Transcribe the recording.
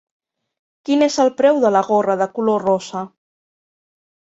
Quin és el preu de la gorra de color rosa?